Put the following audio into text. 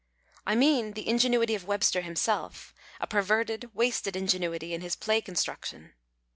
I mean the ingenuity of Webster himself, a per verted, wasted ingenuity, in his play construction.